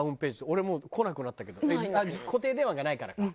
俺もう来なくなったけど固定電話がないからか。